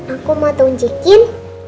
aku mau tunjukin